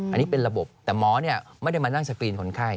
อันนี้เป็นระบบแต่หมอไม่ได้มานั่งสกรีนคนไข้